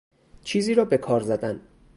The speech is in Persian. چیزی را بهکار زدن